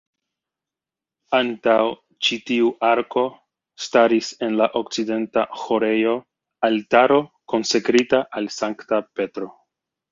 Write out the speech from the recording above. Antaŭ ĉi tiu arko staris en la okcidenta ĥorejo altaro konsekrita al Sankta Petro.